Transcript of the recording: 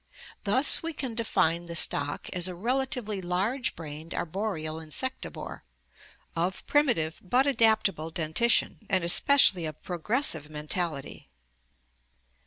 Thus we can define the stock as a relatively large brained arboreal insectivore, of primi tive but adaptable dentition, and especially of progressive mental ity.